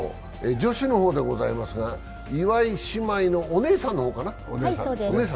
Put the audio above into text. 女子の方でございますが岩井姉妹のお姉さんかな。